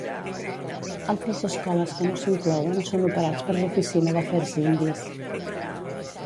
Altres escoles que no s'inclouen són operats per l'Oficina d'Afers Indis.